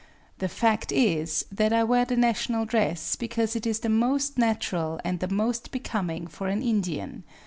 The fact is that I wear the national dress because it is the most natural and the most becoming for an Indian.